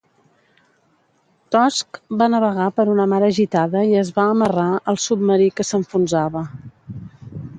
"Tusk" va navegar per una mar agitada i es va amarrar al submarí que s"enfonsava.